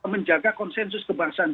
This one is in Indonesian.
menjaga konsensus kebangsaan